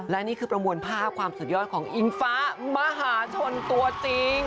และนี่คือประมวลภาพความสุดยอดของอิงฟ้ามหาชนตัวจริง